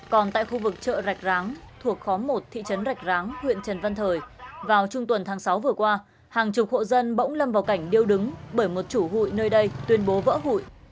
còn tại khu vực chợ rạch ráng thuộc khóm một thị trấn rạch ráng huyện trần văn thời vào trung tuần tháng sáu vừa qua hàng chục hộ dân bỗng lâm vào cảnh điêu đứng bởi một chủ hụi nơi đây tuyên bố vỡ hụi